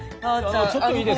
あのちょっといいですか？